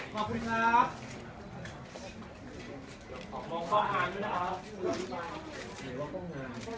มองบอกอังเพื่อนน้ำ